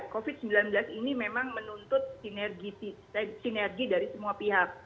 covid sembilan belas ini memang menuntut sinergi dari semua pihak